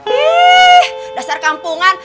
ih dasar kampungan